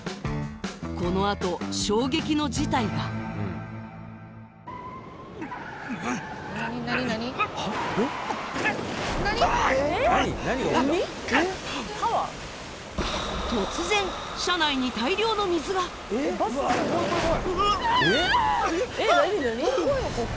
このあと衝撃の事態が突然車内に大量の水がわー！